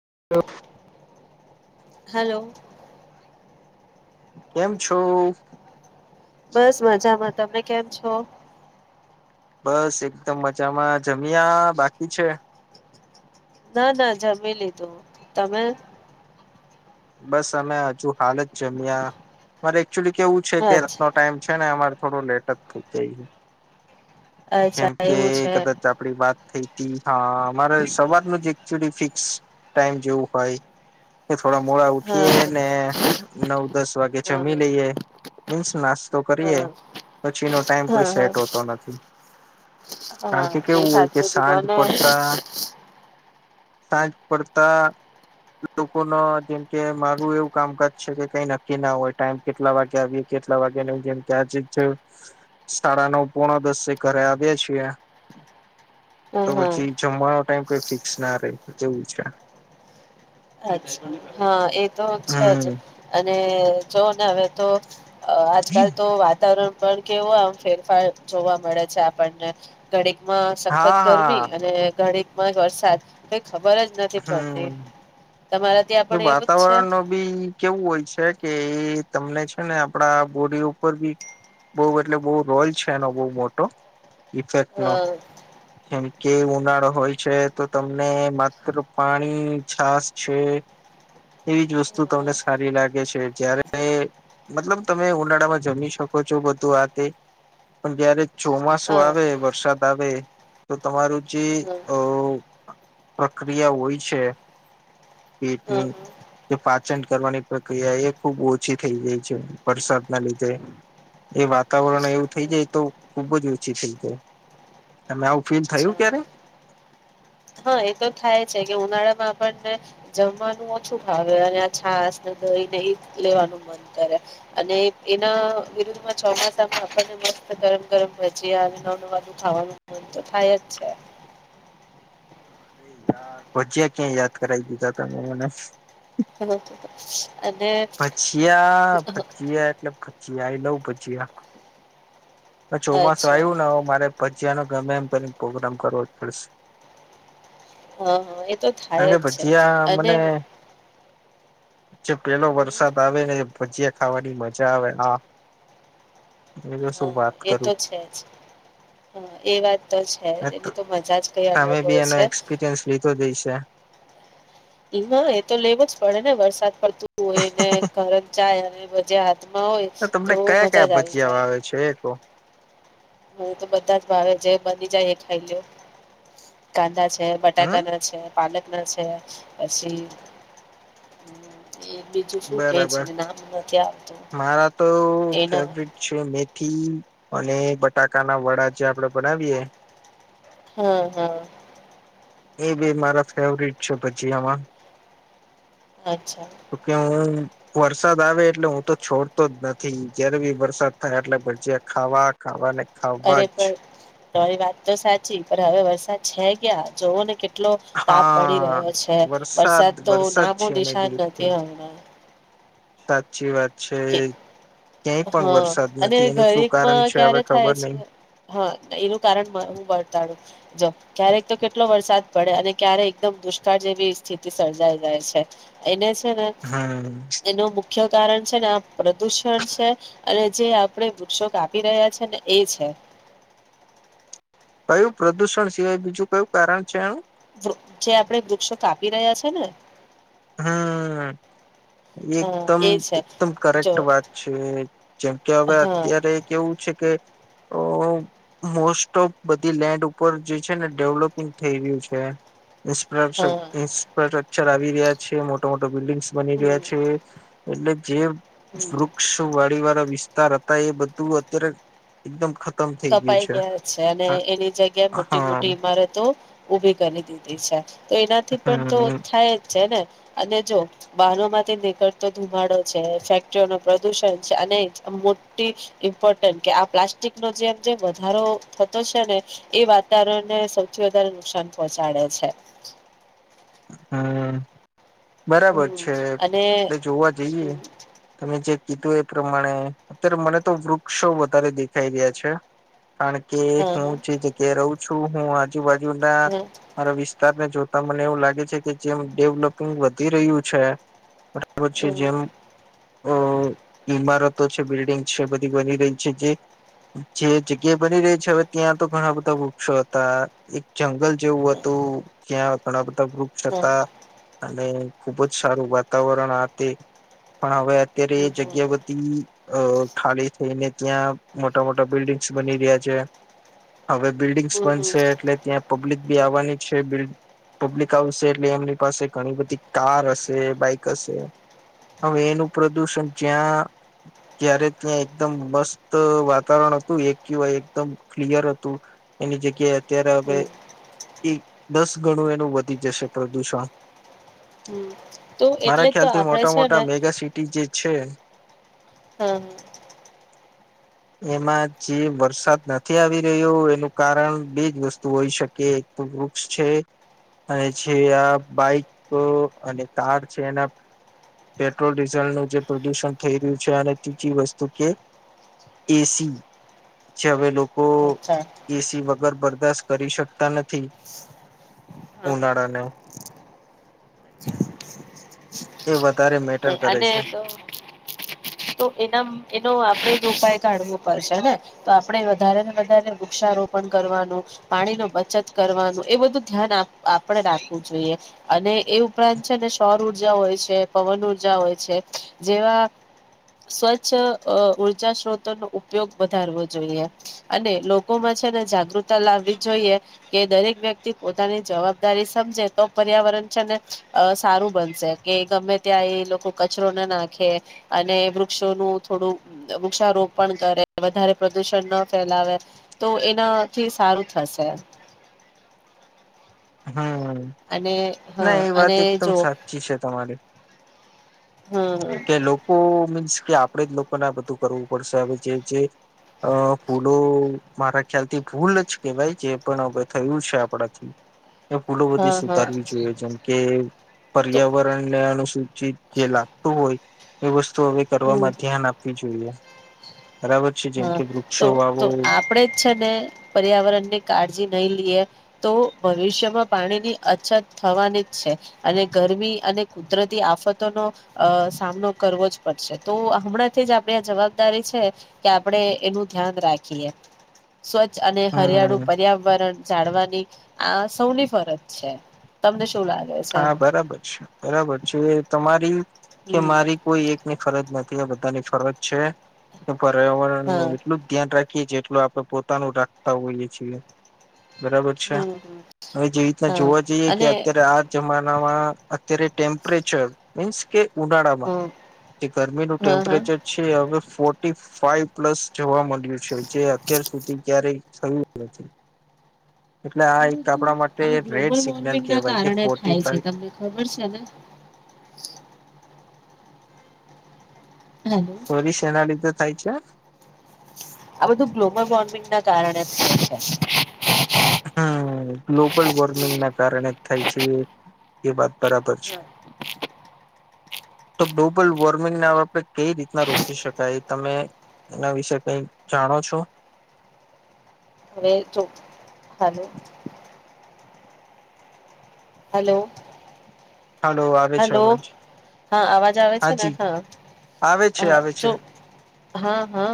[unintelligible] Hello. કેમ છો? બસ મજામાં તમને કેમ છો? બસ એકદમ મજામાં જમ્યા બાકી છે? ના ના જમી લીધું તમે? બસ અમે હજુ હાલત જમ્યા મારે ચુ કેવું છે કે રથનો અચ્છા ટાઈમ છે ને અમા થોડો લેટ જ થ જઈ. જેમ અચ્છા કે એવું છે કદાચ આપડી વાત થઈ તી હા અમારે સવાર નું જ ફિક્સ ટાઈમ જેવું હોય થોડા મોડા ઉઠીએ હા ને નવ દસ વાગે જમી હા લઈએ. મીન્સ માસ તો કરીએ હા પછી ન ટાઈમ કોઈ હા હા સેટ હોતો નથી. હા કારણ કે મે કેવું હોય કે સાચું સાંજ કીધું ને પડતા સાંજ પડતા લોકો ન જેમકે મારું એવું કામકાજ છે કે કઈ નક્કી ના હોય ટાઈમ કેટલા વાગે આવી કેટલા વાગે નહી જેમકે આજે સાડા નવ પોણા દસ ઘરે આવ્યા છીએ. હા તો હા પછી જમવાનો ટાઈમ કઈ ફિક્સ ના ર એવું છે. અછા હા એ તો છે જ હમ અને જો ને હવે તો અ આજકાલ તો વાતાવરણ પણ કેવો આમ ફેરફાર જોવા મળે છે આપણને ઘણી માં સખત હા ગરમી હા અને ઘડી વરસાદ ખબર જ નથી પડતી. હમ તમારા ત્યાં પણ એવું જ છે વાતાવરણ નો બી કેવું હોય છે કે એ તમને છે ને આપડા બોડી ઉપર બી બઉ એટલે બહ રોલ છે એનો બહ મોટો ઇફેક્ટ નો હ એમ. કે ઉનાળો હોય છે તો તમને પાણી, છાસ છે એવી જ હા વસ્તુ તું તમને સારી લાગે છે જય્યારે મતલબ તમે ઉનાળામાં જમી શકો છો, બધું આ તે પણ જયારે ચોમાસું આવે હા વરસાદ આવે તો તમારું જો અ પ્રક્રિયા હોય છે હા પેટની હા. જે પાચન કરવાની પ્રક્રિયા એ ખૂબ ઓછી થઈ જાય છે વરસાદના લીધે એ વાતાવરણ એવું થઈ જાય તો ખુબ જ ઓછી થઈ જાય અને આવું ફીલ થયું અચ્છા ક્યારે હા, એ તો થાય છે કે ઉનાળામાં આપણને જમવાનું ઓછું ખાવે અને આ છાસ, દહી ને એ લેવાનું મન કરે અને એના વિરુદ્ધમાં ચોમાસામાં આપને મસ્ત ગરમ ગરમ ભજીયા અને નવ નવાધું ખાવાનું મન તો થાય જ છે અરે યાાર ભજ્યા ક્યાં યાદ કરાવી દીધા તમે મને બ [unintelligible] ભજીયા, ભજીયા એટલે ભજીયા એ લઉ ભજીયા આ ચોમાસું અચ્છા આવ્યું ને મારે ચાલો ગમે એમ કરીન પ્રોગ્રામ કરવો જ પડશે હા, હા, એ તો કારણ થાય કે જ છે ભજીયા અને મને જે પેલો હમ, વરસાદ આવે ને ભજીયા ખાવાની મજા આવે આ હા, એ તો છે જ, હા એ વાત તો છે જ, એની તો મજા જ કઈ તમે અલગ બી હોય એનો છે એક્સપિરિયન્સ લીધો જ હશે એમાં એ તો લેવો જ પડે ને વરસાદ પડતું હોયને ઘરમ ચા અને મજા હાથમાં હોય તો તમને કયા કયા જ ભજીયા ભાવે છે એ કો હું તો બધા જ ભાવે જે બની જાય એ ખાઈ લ્યો, કાંદા છે હમ બટાકાના છે પાલકના છે, પછી એ બીજું શું કે છે બરાબર ને નામ નથી આવતું મારા તો એના ફેવરેટ છે, મેથી અને બટાકાના વડા જે આપડે બનાવીએ હમ હા એ બે મારા ફેવરિટ છે પછી આમાં અચ્છા તો ક્યા હો વરસાદ આવે એટલે હું તો છોડતો જ નથી જયારે બી વરસાદ થાય એટલે ભજીયા ખાવા, ખાવા, ને ખવાજ તારી વાત તો સાચી પણ હવે વરસાદ છે કયા જોવો ને કેટ એટલો તાપ પડી હા રહ્યો છે, વરસાદ તો વરસાદ નામો છે ને નિશાન બિલકુલ નથી હમણા સાચી વાત છે કે ક્યાંય પણ હા વરસાદ અને નથી એનું શું ઘરેકમાં કારણ છે હવે ક્યારે થાય ખબર છે નહિ હા એનું કારણ હું બતાડુ જ ક્યારેક તો કેટલો વરસાદ પડે અને ક્યારેક એકદમ દુષ્કાળ જેવી સ્થિતિ સર્જાઈ જાય છે એને હે ને હમ એનો મુખ્ય કારણ છે ન પ્રદૂષણ છે અને જે આપણે વૃક્ષો કાપી આપી રહ્યા છે ને એ છે. કયું પ્રદુષણ સિવાય બીજું કયું કારણ છે એનું ૃ જે આપડણે વૃક્ષો કાપી રહ્યા છે ને હા. હા એકદમ એ છે એકદમ જો કરેક્ટ વાત છે જેમ કે હવે હા અત્યારે કે એવું છે કે અ મોસ્ટ ઓફ બધી લેન્ડ ઉપર જે છે ને ડેવલોપિંગ થઈ રહ્યું છે. ન્ફ્રા હા સ્ટ્રક્ચર આવી રહ્યા છે મોટા મોટા બિલ્ડિંગ્સ બની હમ રહ્યા છે. એલે જીમ હમ વૃક્ષ વાળી વાળા વિસ્તાર હતા એ બધું અત્યારે એકદમ ખતમ થઈ ગયું કપાઈ ગયા છે. અને એની જગ્યાએ મોટી હા મોટી ઈમારતો ઉભી કરી દીધી છે. તો એનાથી પણ તો હમ થાય જ છે ને અને જો વાહનોમાંથી નીકળતો ધુમાડો છે, ફેક્ટરીઓનો પ્રદુષણ છે, અને મોટી ઇમ્પોર્ટન્ટ કે આ પ્લાસ્ટિક નો જે જે વધારો થતો છે ને એ વાતાવરણને સૌથી વધારે નુકસાન પહોંચાડે છે. હા બરાબર હમ છે. અને એટલે જોવા જઈએ તમે જે કીધું એ પ્રમાણે અત્યારે મને તો વૃક્ષો વધારે દેખાઈ રહ્યા છે. કારણ કે હા હા હું જે જગ્યાએ રહું. છું હું આ. આજુબાજુ ના હા મારા વિસ્તારને જો. તમને એવું લાગે. લાગે છે કે જેમ ડેવલોપિંગ વધી રહ્યું છે. છે હમ જેમ અ ઈમારત. તો છે, બિલ્ડિંગ છે, બધી બની રહી છે જે જે જગ્યા બની રહી છે હવે ત્યાં તો ઘણા બધા વૃક્ષો હતા. જંગલ જેવું હા હતું ક્યાં. ઘણા બધા. વૃક્ષ હમ હતા અને. ખુબ જ સારું વાતાવરણ આ તે. પણ હવે અત્યારે હમ એ જગ્યા બધી. અ ખાલી થઈને ત્યાં મોટા મોટા બિલ્ડિંગ્સ બની રહ્યા છે. હવે બિલ્ડિંગ્સ હમ હમ બનશે એટલે ત્યાં પબ્લિક. બી આવવાની છે. Bill public. આવશે એટલે એમની પાસે ઘણી બધી કાર હશે, બાઈક હશે, હવે એનું પ્રદુષણ જ્યાં જ્યારે ત્યાં એકદમ મસ્ત વાતાવરણ હતું એક કેવાય એકદમ ક્લિયર હતું. એની જગ્યાએ. અત્યારે હવે. હમ ઈ દસ ગણું એનું વધ. વધી જશે પ્રદૂષણ. હમ તો મારા એટલે જ તો ખ્યાલથી આપડે મોટા છે ને મોટા મેગાસીટી જે. છે. હહ હહ. એમાં જે વરસાદ નથી આવી રહ્યો એનું કારણ બેજ વસ્તુ હોઈ શકે એક તો વૃક્ષ છે. અને જે આ બાઈક અને કાર છે એના પેટ્રોલ ડીઝલનું જે પ્રદુષણ થઈ રહ્યું છે, અને ત્રીજી વસ્તુ કે એસી જે હવે લોક. કો અચ્છા એસી વગ. વગર બરદાશ્ત કરી શકતા નથી. હા હા ઉનાળાના. એ વત. અને તો તો એના એનો આપડે. ઉપાય કાઢવો પડશેને તો આપણે વધારે ને વધારે વૃક્ષારોપણ કરવાનું પાણી નું બચત કરવાનું એ બધું ધ્યાન આપણે રાખવું જોઈએ અને એ ઉપરાંત છે ને સૌર ઉર્જા હોય છે પવન ઉર્જા. હોય છે. જેવા સ્વચ્છ ઉર્જા સ્ત્રોતોનો ઉપયોગ વધારવો જોઈએ અને લોકોમાં છે ને જાગૃતતા લાવવી જોઈએ કે દરેક વ્યક્તિ પોતાની જવાબદારી સમજે તો પર્યાવરણ છે ને અ સારું બનશે કે ગમે ત્યાં એ. લોકો કચરો ના નાખે અને વૃક્ષોનું થોડું વૃક્ષારોપ પણ કરે વધારે પ્રદુષણ ના ફેલાવે તો એનાથી સારું થશે. હમ્મ અને ના હા એ વાત અને એકદમ જો સાચી છે તમારી હમ કે લોકો. કે આપણે લોકોને આ બધું કરવું પડશે હવે જે જે ભૂલો મારા ખ્યાલ થી ભૂલ જ કે ભાઈ જે પણ હવે થયું છે આપણાથી. એ ભૂલો બધી હા હા સુધારવી જોઈએ જેમ કે તો પર્યાવરણ ને અનુસૂચિત જે લાગતું હોય. એ વસ તું હવે હમ કરવામાં ધ્યાન આપવી જોઈએ. બરાબર છે જેમ હા કે વૃક્ષો તો વાવો તો આપડે જ છે ને પર્યાવરણ ની કાળજી નહી લઈએ. તો ભવિષ્યમાં પાણીની અછત થવાની જ છે અને ગરમી અને કુદરતી આફતોનો અ સામનો કરવો જ પડશે તો હમણાંથી જ આપણે આ જવાબદારી છે. કે આપણેે એનું ધ્યાન રાખીએ. સ્વચ્છ અને હરિયાળુ હમ પર્યાવરણ. જાડવાની આ સૌની ફરજ છે તમને. શું લાગે છે હા બરાબર છે બરાબર છે તમારી. કે હમ મારી કોઈ એક. ની ફરજ નથી એ બધાની ફરજ છે. હા પર્યાવરણનું એટલું જ ધ્યાન રાખ જેટલું આપડે પોતાનું રાખતા હોઈએ છીએ. બરાબર છે હમ હમ હવે જેવી રીતના હા જોવા જઈએ કે અને અત્યારે આ [unintelligible] અત્યારે ટેમ્પરેચર મીન્સ કે હ ઉનાળામાં જે ગરમીનું હા હા ટેમ્પરેચર છે હવે ફોર્ટી. ફાઇવ પ્લસ જોવા મળ્યું છે જે અત્યાર સુધી ક્યારેય થયું નથી. એટલે આ એક બધું આપણા માટે આ રેડ ગ્લોબલ સિગ્નલ વોર્મિંગ ના કેહેવાય કે કારણે ફો થાય છે તમને ખબર છે ને. હેલો [unintelligible] થાય છે. આ બધું ગ્લોબલ વોર્મિંગ ના કારણે જ થાય છે. હમ્મ ગ્લોબલ વોર્મિંગના કારણે થાય છે એ વાત બરાબર છે તો ગ્લોબલ વોર્મિંગને અવે કઈ રીતના રોકી શકાય એ તમે એના વિશે કઈક જાણો છો? હવે જો હાલો હાલો. હાલો આવે છે હેલો અવાજ હા અવાજ આવે છે ને હાજી હા આવે હ છે આવે છે જો. હા હા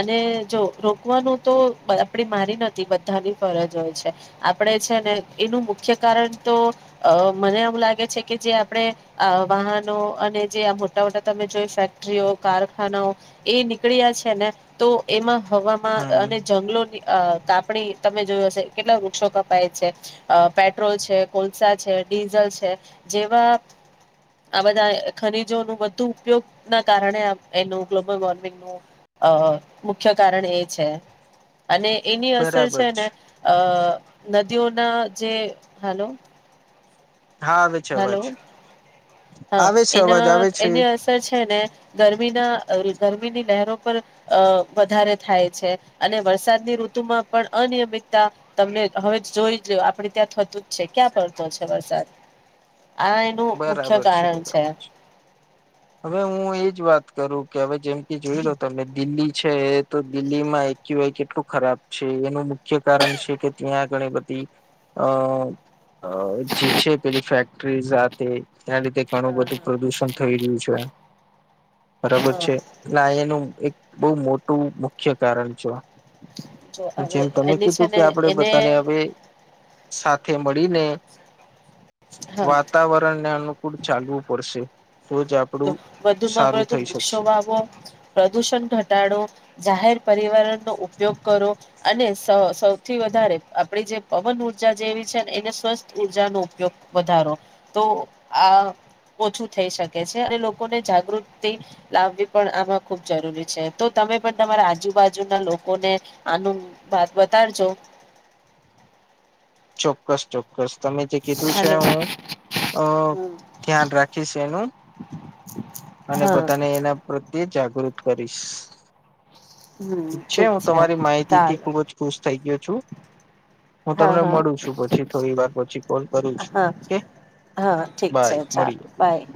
અને જો રોકવાનું તો આપડી મારી નથી બધાની ફરજ હોય છે આપડે છે ને એનું મુખ્ય કારણ તો મને એવું લાગે છે. કે જે આપણેે આ વાહનો અને જે આ મોટા મોટા તમે જોઈ ફેક્ટરીઓ કારખાનાઓ એ નીકળ્યા છે ને તો એમાં. હવામાં હમ અને જંગલોની. અ કાપણી તમે જોયો હશે કેટલા વૃક્ષો કપાય છે પેટ્રોલ છે કોલસા છે ડીઝલ છે. જેવા આ બધા ખનીજોનું વધુ ઉપયોગ ના કારણે એનું ગ્લોબલ વોર્મિંગનું અ મુખ્ય કારણ એ છે. અને એની અસર છે, ને અ નદીઓ ના જે હેલો. હા આવે છે હલો અવાજ હા આવે છે અવાજ એના આવે છે એની અસર છે, ને ગરમી ના ગરમીની લહેરો પર અ વધારે થાય છે, અને વરસાદની ઋતુમાં પણ અનિયમિતતા તમને હવે જોઈ લો આપણે ત્યાં થતું જ છે, ક્યાં પડતો છે, વરસાદ આ એનું મુખ્ય બરાબર કારણ બરાબર છે. હવે હું એજ વાત કરું કે હવે જેમ કે જોઈ લો તમે દિલ્હી છે, તો દિલ્હીમાં એક્યુઆઈ કેટલું ખરાબ છે, એનું મુખ્ય કારણ છે કે ત્યાં ઘણી બધી અ જે છે પેલી ફેક્ટરી સાથે ત્યારે તે ઘણું હા બધું હા પ્રદુષણ થઈ રહ્યું છે. [unintelligible] [inaudible] [inaudible] બરાબર હા છે, ના એનું એક બહુ મોટું મુખ્ય કારણ છે. જો હવે જેમ તમે એને છે કીધું કે ને આપડે એને બધાને હવે. સાથે મળીને હા વાતાવરણને અનુકૂ ચાલવું પડશે તો જ વધુમાં સારું વધુ થઈ વૃક્ષો શકશે વાવો પ્રદુષણ ઘટાડો જાહેર, પરિવરણનો ઉપયોગ કરો અને સૌ સૌથી વધારે આપડી જે પવન ઊર્જા જેવી છે, ને એને સ્વસ્થ ઊર્જાનો ઉપયોગ વધારો તો આ ઓછું થઈ શકે. છે, અને લોકોને જાગૃતિ લાવવી પણ આમાં ખુબ જરૂરી છે, તો તમે પણ તમારા આજુબાજુના લોકોને આનું વાત બતાડજો. ચોક્કસ ચોક્કસ. બસ તમે જે કીધું છે, હાલો હું અ હમ ધ્યાન રાખીશ એનું અને હા બધાને એના પ્રત્યે જાગૃ ગૃત કરીશ. ઠીક છે હું તમારી માહિતી થી ચાલો ખુબ જ ખુશ થઇ ગયો છું હું હા તમને હા મળું છું, પછી થોડી વાર પછી કોલ કરું છું, હા કે હા ઠીક છે બાય ચાલો મળીએ. બાય